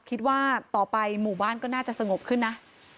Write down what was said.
คิดว่าต่อไปหมู่บ้านก็น่าจะสงบขึ้นนะ